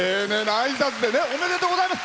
おめでとうございます。